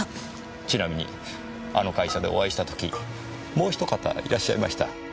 ちなみにあの会社でお会いした時もうひと方いらっしゃいました。